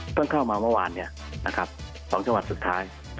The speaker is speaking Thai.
เข้ามาเมื่อวาน๒จังหวัดสุดท้าย